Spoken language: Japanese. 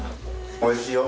おいしいよ。